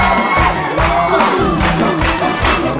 ร้องได้ให้ร้าง